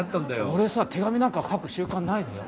俺さ手紙なんか書く習慣ないのよ。